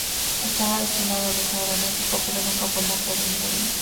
Estaba destinado al uso aeronáutico, pero nunca fue montado en un avión.